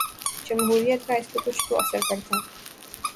جمہوریت کا اس پہ کچھ تو اثر پڑتا۔